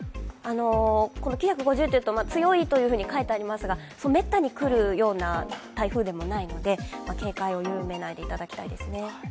９５０というと強いと書いてありますが、めったに来るような台風でもないので警戒を緩めないようにしてもらいたいですね。